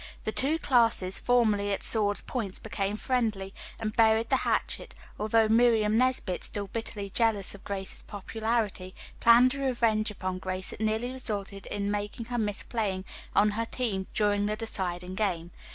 The two classes, formerly at sword's points, became friendly, and buried the hatchet, although Miriam Nesbit, still bitterly jealous of Grace's popularity, planned a revenge upon Grace that nearly resulted in making her miss playing on her team during the deciding game.